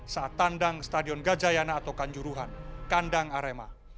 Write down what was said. saat tandang stadion gajayana atau kanjuruhan kandang arema